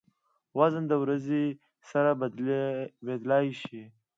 وزن د ورځې سره بدلېدای شي.